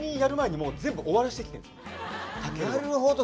⁉なるほど。